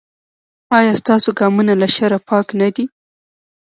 ایا ستاسو ګامونه له شر پاک نه دي؟